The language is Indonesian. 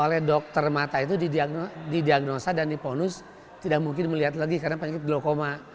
oleh dokter mata itu didiagnosa dan diponus tidak mungkin melihat lagi karena penyakit glukoma